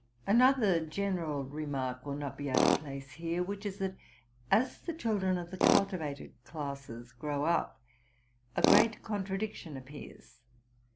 Another general remark will not be out of place here, which is, that, as the children of the cultivated classes grow up, & great contradiction appears.